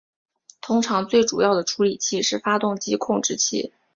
通常最主要的处理器是发动机控制器。